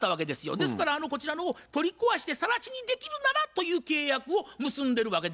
ですからこちらの方取り壊してさら地にできるならという契約を結んでるわけですから。